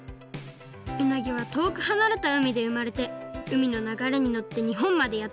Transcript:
うなぎはとおくはなれた海で生まれて海のながれにのってにほんまでやってくる。